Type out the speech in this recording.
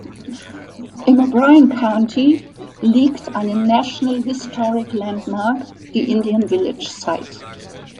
Im O’Brien County liegt eine National Historic Landmark, die Indian Village Site.